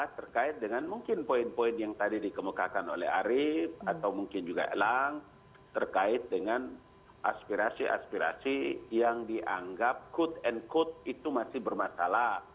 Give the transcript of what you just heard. terkait dengan mungkin poin poin yang tadi dikemukakan oleh arief atau mungkin juga elang terkait dengan aspirasi aspirasi yang dianggap quote and quote itu masih bermasalah